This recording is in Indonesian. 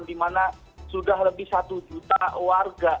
di mana sudah lebih satu juta warga